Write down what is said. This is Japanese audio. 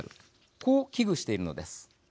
こう危惧しているのです。